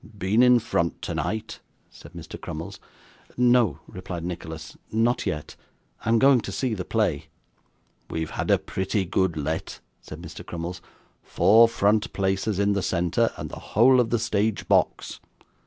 'Been in front tonight?' said Mr. Crummles. 'No,' replied Nicholas, 'not yet. I am going to see the play.' 'We've had a pretty good Let,' said Mr. Crummles. 'Four front places in the centre, and the whole of the stage box.